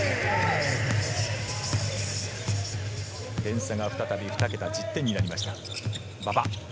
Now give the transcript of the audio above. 点差が再び１０点になりました。